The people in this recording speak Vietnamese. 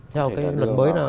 theo cái luật mới là